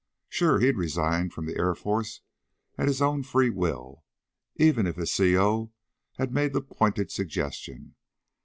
Sure, he'd resigned from the Air Force at his own free will, even if his C. O. had made the pointed suggestion.